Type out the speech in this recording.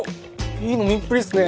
いい飲みっぷりっすね。